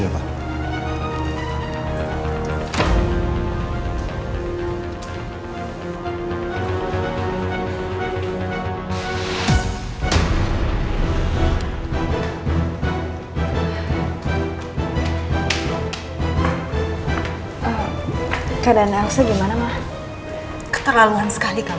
tunggu sebentar ya